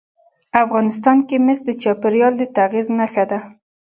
افغانستان کې مس د چاپېریال د تغیر نښه ده.